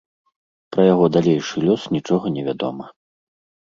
Пра яго далейшы лёс нічога невядома.